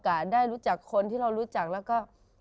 ได้รู้จักคนที่เรารู้จักแล้วก็